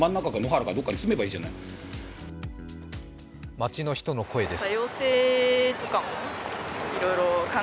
街の人の声です。